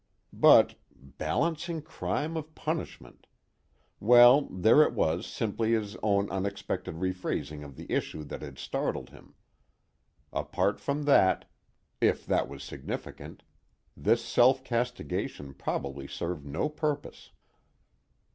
But balancing crime of punishment: well, there it was simply his own unexpected rephrasing of the issue that had startled him. Apart from that, if that was significant, this self castigation probably served no purpose.